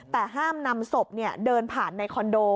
แต่ห้ามนำศพเดินผ่านในคอนโด